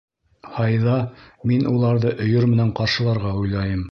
Һайҙа мин уларҙы өйөр менән ҡаршыларға уйлайым.